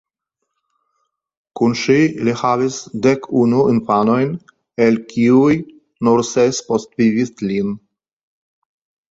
Kun ŝi li havis dek unu infanojn el kiuj nur ses postvivis lin.